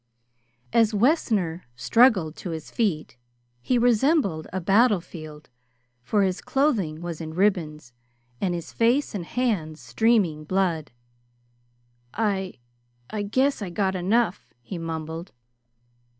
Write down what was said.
As Wessner struggled to his feet, he resembled a battlefield, for his clothing was in ribbons and his face and hands streaming blood. "I I guess I got enough," he mumbled.